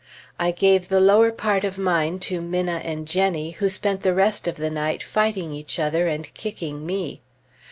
I gave the lower part of mine to Minna and Jennie, who spent the rest of the night fighting each other and kicking me.